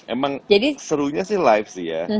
emang serunya sih live sih ya